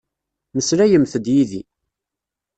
Meslayemt-d yid-i.